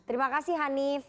terima kasih hanif